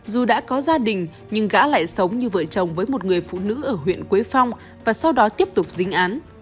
dù đã có gia đình nhưng gã lại sống như vợ chồng với một người phụ nữ ở huyện quế phong và sau đó tiếp tục dính án